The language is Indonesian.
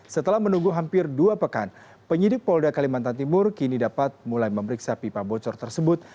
setelah menunggu hampir dua pekan penyidik polda kalimantan timur kini dapat mulai memeriksa pipa bocor tersebut